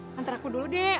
nantri aku dulu deh